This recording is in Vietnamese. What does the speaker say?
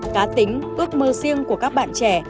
cá tính ước mơ riêng của các bạn trẻ